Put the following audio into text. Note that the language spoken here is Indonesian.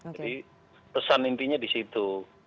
jadi pesan intinya di situ